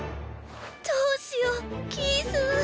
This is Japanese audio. どうしようキース。